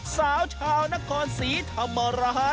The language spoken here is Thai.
สาวชาวนครศรีธรรมราช